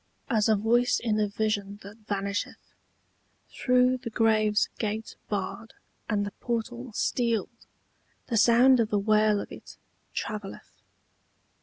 As a voice in a vision that vanisheth, Through the grave's gate barred and the portal steeled The sound of the wail of it travelleth.